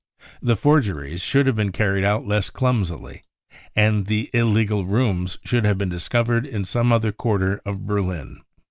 The forgeries should have been carried out less clumsily, and the illegal rooms should have been discovered in some other quarter of Berlin.